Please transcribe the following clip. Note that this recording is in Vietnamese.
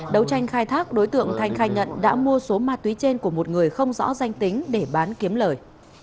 đấu tranh khai thác đối tượng thanh khai nhận đã mua số ma túy trên của một người không rõ danh tính để bán kiếm lời